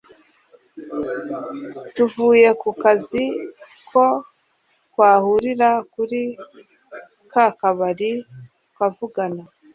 tuvuye kukazi ko twahurira kuri kakabari tukavugana